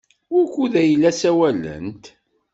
Wukud ay la ssawalent?